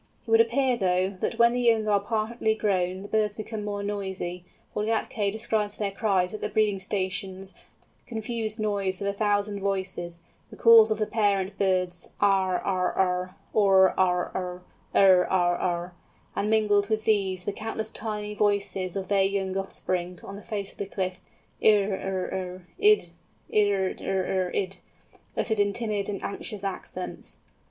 It would appear, though, that when the young are partly grown the birds become more noisy, for Gätke describes their cries at the breeding stations as a "confused noise of a thousand voices, the calls of the parent birds—arr r r r, orr r r r, err r r r, and mingled with these the countless tiny voices of their young offspring on the face of the cliff—irr r r idd, irr r r idd—uttered in timid and anxious accents."